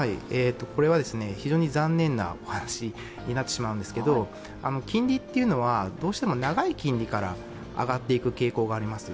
これは非常に残念なお話になってしまうんですけれども金利というのはどうしても長い金利から上がっていく傾向があります。